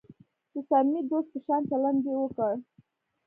د صمیمي دوست په شان چلند یې وکړ.